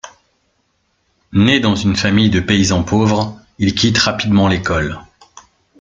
Né dans une famille de paysans pauvres, il quitte rapidement l'école.